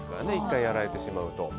１回やられてしまうと。